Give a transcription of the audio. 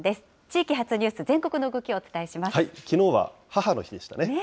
地域発ニュース、全国の動きをおきのうは母の日でしたね。